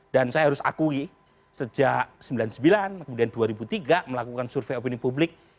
dan saya harus akui sejak seribu sembilan ratus sembilan puluh sembilan kemudian dua ribu tiga melakukan survei opini publik